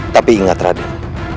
tapi ingat raden